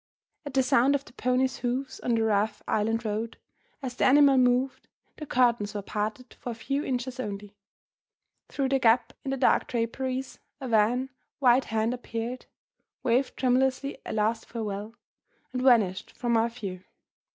At the sound of the pony's hoofs on the rough island road, as the animal moved, the curtains were parted for a few inches only. Through the gap in the dark draperies a wan white hand appeared; waved tremulously a last farewell; and vanished from my view.